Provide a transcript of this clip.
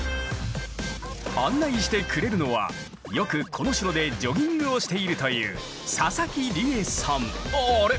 案内してくれるのはよくこの城でジョギングをしているというあれ？